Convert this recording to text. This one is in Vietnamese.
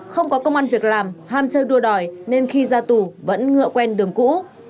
không có công an việc làm ham chơi đua đòi nên khi ra tù vẫn ngựa quen đường cũ